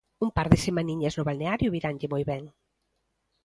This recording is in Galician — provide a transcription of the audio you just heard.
Un par de semaniñas no balneario viranlle moi ben.